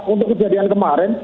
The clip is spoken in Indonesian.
untuk kejadian kemarin